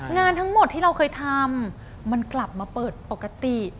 งานทั้งหมดที่เราเคยทำมันกลับมาเปิดปกติ